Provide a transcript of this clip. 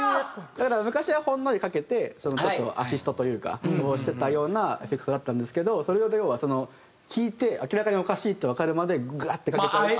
だから昔はほんのりかけてアシストというかをしてたようなエフェクトだったんですけどそれを要は聴いて明らかにおかしいってわかるまでガッてかけちゃうと。